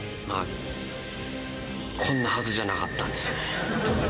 こんなはずじゃなかったんですよね。